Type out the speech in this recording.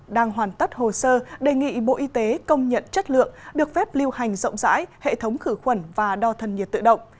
đang hoàn tất hồ sơ đề nghị bộ y tế công nhận chất lượng được phép lưu hành rộng rãi hệ thống khử khuẩn và đo thân nhiệt tự động